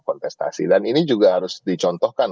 kontestasi dan ini juga harus dicontohkan